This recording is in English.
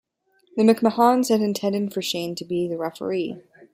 The McMahons had intended for Shane to be the referee.